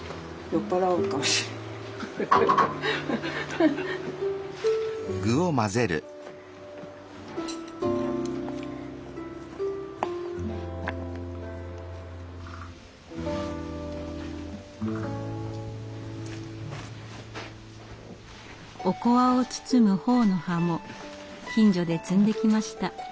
おこわを包むほおの葉も近所で摘んできました。